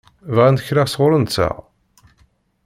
Bɣant kra sɣur-nteɣ?